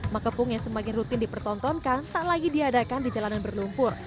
makepung yang semakin rutin dipertontonkan tak lagi diadakan di jalanan berlumpur